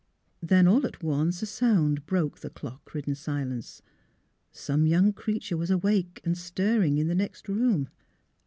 Then all at once a sound broke the clock ridden silence ; some young creature was awake and stiring in the next room.